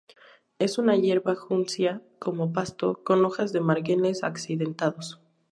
Es una hierba, juncia como pasto, con hojas de márgenes accidentados.